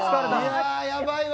やばいわ。